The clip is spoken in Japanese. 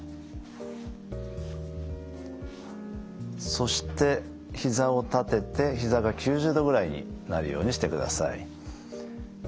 そしてひざを立ててひざが９０度ぐらいになるようにしてください。